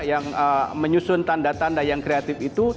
yang menyusun tanda tanda yang kreatif itu